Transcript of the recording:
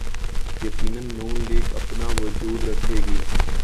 یقینا نون لیگ اپنا وجود رکھے گی۔